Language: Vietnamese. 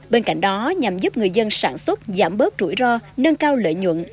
bên cạnh đó nhằm giúp người dân sản xuất giảm bớt rủi ro nâng cao lợi nhuận